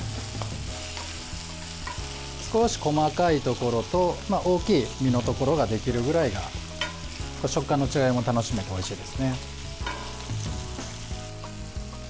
少し細かいところと大きい身のところができるくらいが食感の違いも楽しめておいしいですね。